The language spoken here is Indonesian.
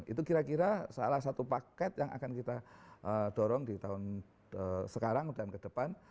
itu kira kira salah satu paket yang akan kita dorong di tahun sekarang dan ke depan